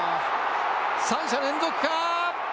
３者連続か。